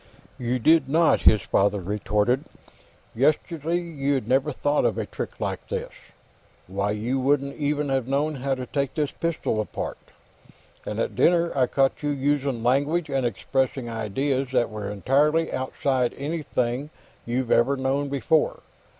"You did not," his father retorted. "Yesterday you'd never have thought of a trick like this; why, you wouldn't even have known how to take this pistol apart. And at dinner, I caught you using language and expressing ideas that were entirely outside anything you'd ever known before.